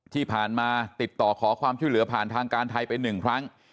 ที่ผ่านมาติดต่อขอความช่วยเหลือผ่านทางการไทยไป๑ครั้ง